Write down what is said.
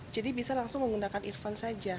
jadi bisa langsung menggunakan earphone saja